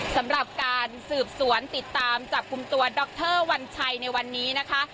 สำหรับการสืบสวนติดตามจับกลุ่มตัวดรวัญชัยในวันนี้นะคะ